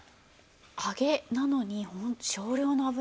「揚げ」なのにホント少量の油で。